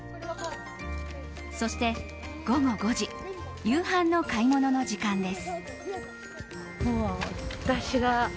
そして午後５時夕飯の買い物の時間です。